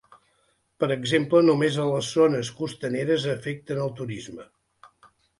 Per exemple només a les zones costaneres afecten el turisme.